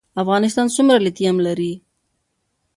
افغانستان څومره لیتیم لري؟